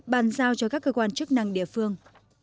bàn giao cho các cơ quan chức năng địa phương